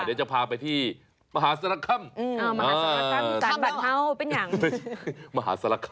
เดี๋ยวจะพาไปที่มหาสละคำ